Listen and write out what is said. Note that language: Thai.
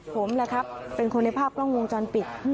ผมแหละครับเป็นคนในภาพกล้องวงจรปิด